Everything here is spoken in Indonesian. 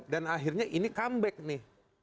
dan akhirnya ini comeback nih